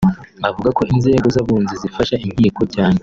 avuga ko inzego z’abunzi zifasha inkiko cyane